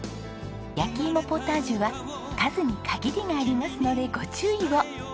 焼き芋ポタージュは数に限りがありますのでご注意を。